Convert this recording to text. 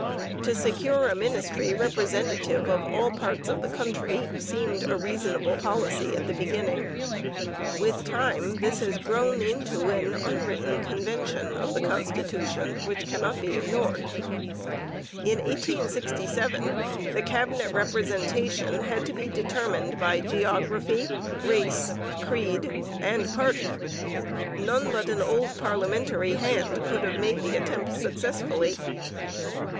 To secure a ministry representative of all parts of the country seemed a reasonable policy at the beginning. With time this has grown into an unwritten convention of the constitution which cannot be ignored. In 1867 the Cabinet representation had to be determined by geography, race, creed, and party. None but an old parliamentary hand could have made the attempt successfully.